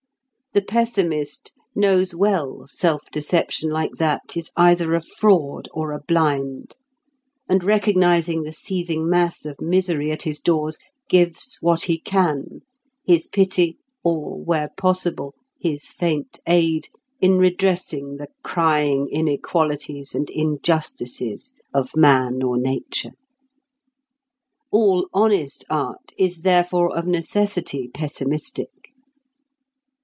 The pessimist knows well self deception like that is either a fraud or a blind, and recognising the seething mass of misery at his doors gives what he can—his pity, or, where possible, his faint aid, in redressing the crying inequalities and injustices of man or nature. All honest art is therefore of necessity pessimistic.